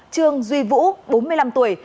trương duy vũ bốn mươi năm tuổi